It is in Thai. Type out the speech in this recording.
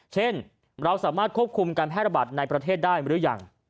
เช่นเราสามารถควบคุมการแพร่ระบาดในประเทศได้หรือยัง